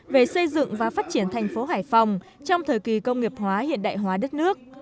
về xây dựng và phát triển thành phố hải phòng trong thời kỳ công nghiệp hóa hiện đại hóa đất nước